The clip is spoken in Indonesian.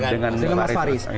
dengan mas faris